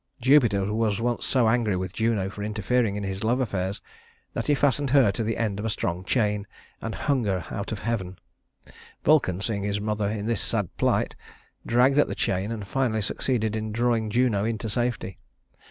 Jupiter was once so angry with Juno for interfering in his love affairs that he fastened her to the end of a strong chain, and hung her out of heaven. Vulcan, seeing his mother in this sad plight, dragged at the chain and finally succeeded in drawing Juno into safety.